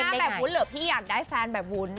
พี่อยากได้หน้าแบบหุ้นหรือพี่อยากได้แฟนแบบหุ้น